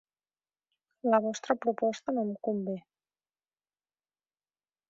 La vostra proposta no em convé.